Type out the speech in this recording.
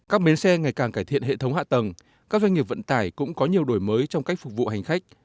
các bến xe ngày càng cải thiện hệ thống hạ tầng các doanh nghiệp vận tải cũng có nhiều đổi mới trong cách phục vụ hành khách